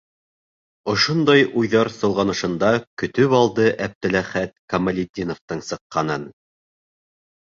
Ошондай уйҙар солғанышында көтөп алды Әптеләхәт Камалетдиновтың сыҡҡанын.